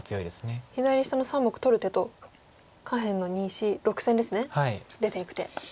左下の３目取る手と下辺の２４６線ですね出ていく手。